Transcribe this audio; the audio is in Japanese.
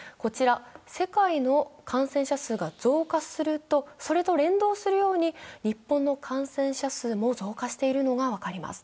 世界の感染者数が増加するとそれと連動するように日本の感染者数も増加しているのが分かります。